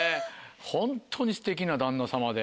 ホントにすてきな旦那様で。